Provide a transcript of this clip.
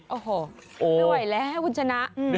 โอ้โหไม่ไหวแล้วคุณชนะ